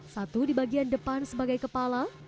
satu di bagian depan sebagai kepala